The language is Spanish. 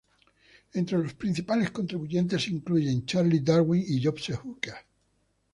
Entre los principales contribuyentes se incluyen Charles Darwin y Joseph Hooker.